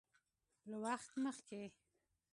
له وخت مخکې